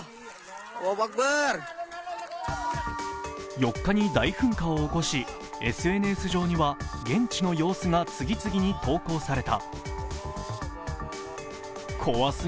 ４日に大噴火を起こし、ＳＮＳ上には現地の様子が次々に投稿された。